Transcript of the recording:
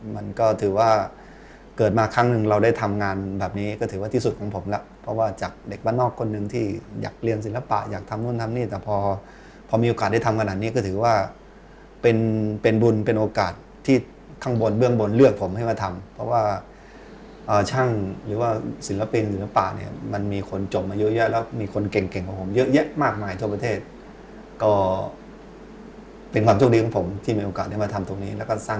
มันก็ถือว่าเกิดมาครั้งหนึ่งเราได้ทำงานแบบนี้ก็ถือว่าที่สุดของผมแล้วเพราะว่าจากเด็กบ้านนอกคนหนึ่งที่อยากเรียนศิลปะอยากทำนู่นทำนี่แต่พอพอมีโอกาสได้ทำขนาดนี้ก็ถือว่าเป็นเป็นบุญเป็นโอกาสที่ข้างบนเบื้องบนเลือกผมให้มาทำเพราะว่าช่างหรือว่าศิลปินศิลปะเนี่ยมันมีคนจบมาเยอะแล้วมีคนเก่